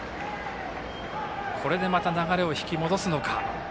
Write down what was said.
これでまた流れを引き戻すのか。